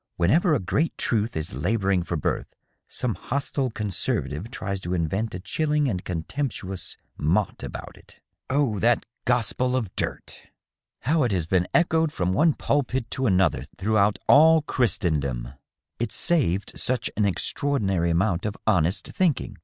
Whenever a great truth is laboring for birth, some hostile conservative tries to invent a chilling and contemptuous mot about it. Oh, that ^ gospel of dirt' ! How it DOUGLAS DUANE, 559 has been echoed from one pulpit to another throughout all Christendom ! It saved such an extraordinary amount of honest thinking